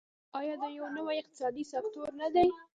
آیا دا یو نوی اقتصادي سکتور نه دی؟